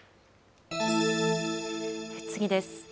次です。